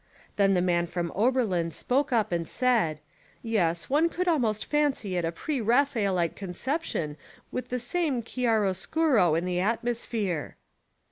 Then the man from Oberlln spoke up and said: "Yes, one could almost fancy it a pre Raphaelite conception with the same chi aroscuro in the atmosphere."